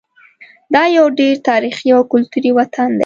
دا یو ډېر تاریخي او کلتوري وطن دی.